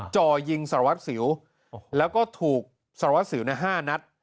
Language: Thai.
จ่อยิงสารวัตรสิวแล้วก็ถูกสารวัสสิว๕นัด